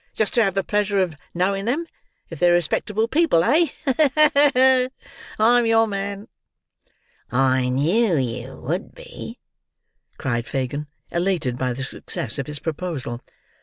"Just to have the pleasure of knowing them, if they're respectable people, eh? Ha! ha! ha! I'm your man." "I knew you would be," cried Fagin, elated by the success of his proposal.